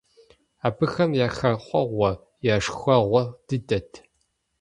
Абыхэм я хэхъуэгъуэ, я шхэгъуэ дыдэт.